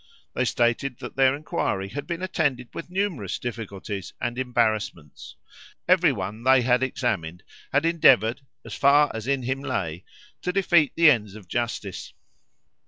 They stated that their inquiry had been attended with numerous difficulties and embarrassments; every one they had examined had endeavoured, as far as in him lay, to defeat the ends of justice.